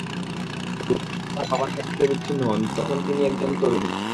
রুবানা যখন তাঁর বাবার কাছ থেকে বিচ্ছিন্ন হন, তখন তিনি একজন তরুণী।